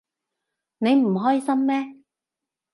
你唔開心咩？